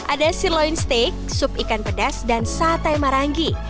ada sirloin steak sup ikan pedas dan sate marangi